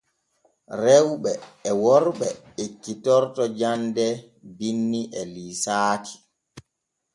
Rewɓe e worɓe ekkitorto jande binni e liisaaki.